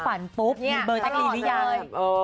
ฝันปุ๊บมีเบอร์แจ๊กรีนที่ยัง